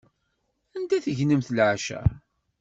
Anda tegnemt leɛca?